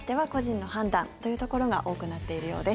利用客に関しては個人の判断というところが多くなっているようです。